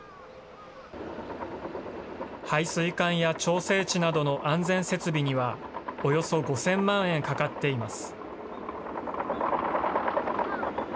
排水管や調整池などの安全設備には、およそ５０００万円かかっています。